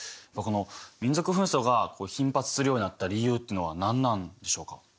この民族紛争が頻発するようになった理由というのは何なんでしょうか？